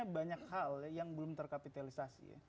banyak hal yang belum terkapitalisasi ya